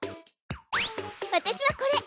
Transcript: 私はこれ！